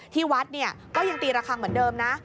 ที่วัดก็ยังตีระคังเหมือนเดิมนะ